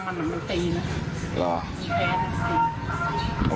ไม่เอาอะไรกับมัน